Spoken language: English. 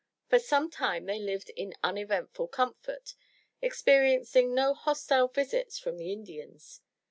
For some time they lived in uneventful comfort, experiencing no hostile visits from the Indians.